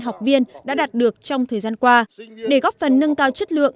học viên đã đạt được trong thời gian qua để góp phần nâng cao chất lượng